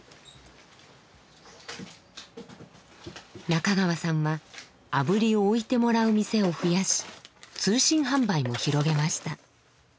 中川さんはあぶりを置いてもらう店を増やし通信販売も広げました。